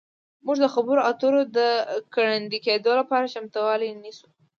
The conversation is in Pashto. موږ د خبرو اترو د ګړندي کیدو لپاره چمتووالی نیسو